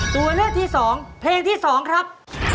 ตัวเลือกที่๒เพลงที่๒ครับ